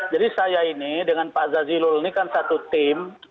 jadi saya ini dengan pak jazilul ini kan satu tim